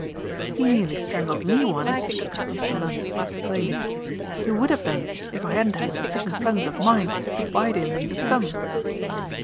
"He nearly strangled me once," Mr. Lund exclaimed. "He would have done if I hadn't had sufficient presence of mind to bite him in the thumb."